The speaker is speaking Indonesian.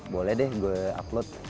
boleh deh gue upload